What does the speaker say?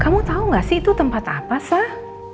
kamu tahu gak sih itu tempat apa sah